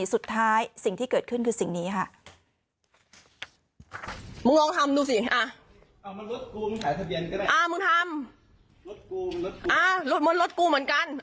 สิ่งที่เกิดขึ้นคือสิ่งนี้ค่ะ